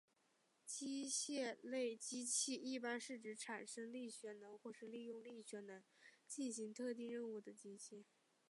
机械类机器一般是指产生力学能或是利用力学能进行特定任务的机器。